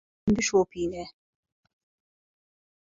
Li nav erd min bişopîne.